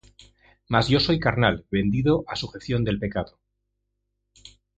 mas yo soy carnal, vendido á sujeción del pecado.